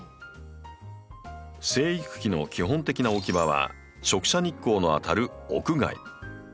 生育期の基本的な置き場は直射日光の当たる屋外。